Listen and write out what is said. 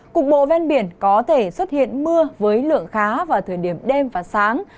cục bộ ven biển có thể xuất hiện mưa với lượng khá vào thời điểm đêm và sáng